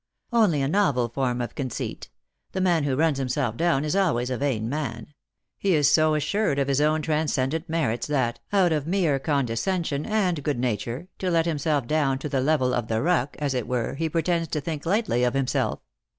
" Only a novel form of conceit. The man who runs himself down is always a vain man. He is so assured of his own transcendent merits, that, out of mere condescension and good nature, to let himself down to the level of the ruck, as it were, he pretends to think lightly of himself.